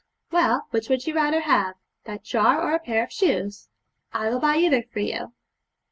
'Well, which would you rather have that jar or a pair of shoes? I will buy either for you.'